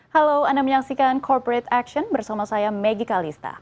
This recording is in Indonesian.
halo anda menyaksikan corporate action bersama saya maggie kalista